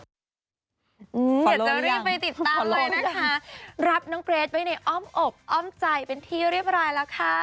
ฟอร์โล่งยังฟอร์โล่งฟอร์โล่งอยากจะรีบไปติดตามเลยนะคะรับน้องเกรดไปในอ้อมอบอ้อมใจเป็นทีเรียบร้อยแล้วค่ะ